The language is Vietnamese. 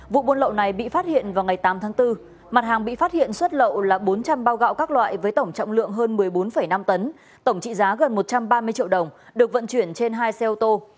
vụ buôn lậu này bị phát hiện vào ngày tám tháng bốn mặt hàng bị phát hiện xuất lậu là bốn trăm linh bao gạo các loại với tổng trọng lượng hơn một mươi bốn năm tấn tổng trị giá gần một trăm ba mươi triệu đồng được vận chuyển trên hai xe ô tô